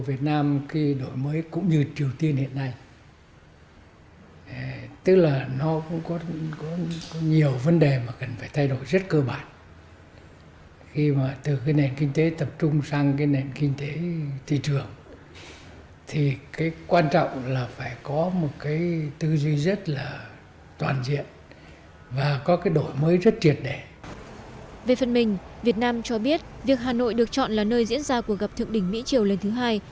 về phần mình việt nam cho biết việc hà nội được chọn là nơi diễn ra cuộc gặp thượng đỉnh mỹ triều lần thứ hai